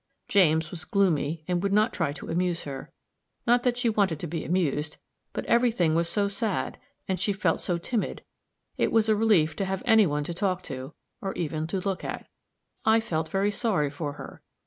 James was gloomy, and would not try to amuse her not that she wanted to be amused, but every thing was so sad, and she felt so timid, it was a relief to have any one to talk to, or even to look at. I felt very sorry for her.